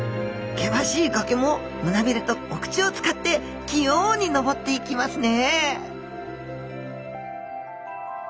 険しい崖も胸びれとお口を使って器用に登っていきますね